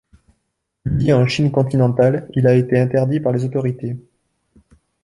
Publié en Chine continentale, il a été interdit par les autorités.